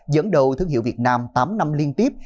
dẫn đầu thương hiệu việt nam tám năm liên tiếp